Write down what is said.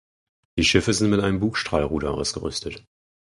Die Schiffe sind mit einem Bugstrahlruder ausgerüstet.